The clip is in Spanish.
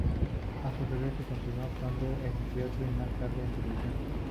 A su regreso continuó actuando en teatro y más tarde en televisión.